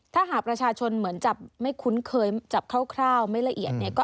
ถ้าหากประชาชนเหมือนจับไม่คุ้นเคยจับคร่าวไม่ละเอียดเนี่ย